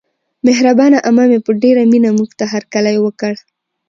مهربانه عمه مې په ډېره مینه موږته هرکلی وکړ.